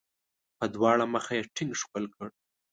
په دواړه مخه یې ټینګ ښکل کړ.